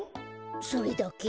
それだけ？